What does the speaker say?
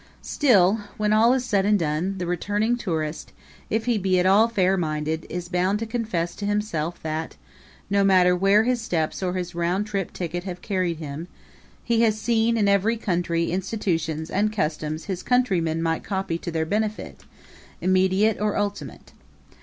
Still, when all is said and done, the returning tourist, if he be at all fair minded, is bound to confess to himself that, no matter where his steps or his round trip ticket have carried him, he has seen in every country institutions and customs his countrymen might copy to their benefit, immediate or ultimate.